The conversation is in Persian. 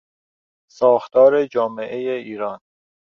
ساختار جامعهی ایران